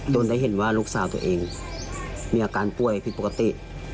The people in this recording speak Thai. ได้เห็นว่าลูกสาวตัวเองมีอาการป่วยผิดปกติ